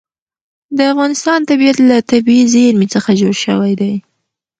د افغانستان طبیعت له طبیعي زیرمې څخه جوړ شوی دی.